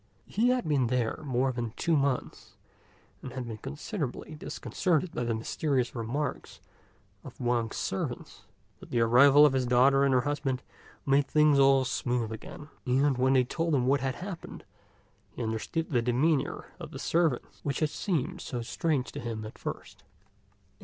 He had been there more than two months, and had been considerably disconcerted by the mysterious remarks of Wang's servants; but the arrival of his daughter and her husband made things all smooth again, and when they told him what had happened, he understood the demeanour of the servants which had seemed so strange to him at first.